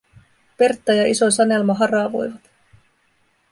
Pertta ja iso Sanelma haravoivat.